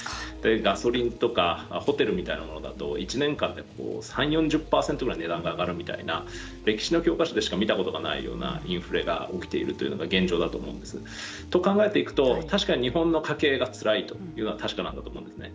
ガソリンとかホテルとか１年間で３０４０％ぐらい値段が上がるみたいな歴史の教科書で見たことがないようなインフレが起きているというのが現状だと思うんです。と考えていくと確かに日本の家計がつらいというのは確かだと思うんですね。